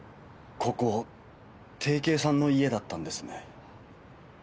ここ定型さんの家だったんですね。